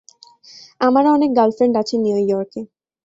আমারও অনেক গার্লফ্রেন্ড আছে নিউ ইয়র্কে।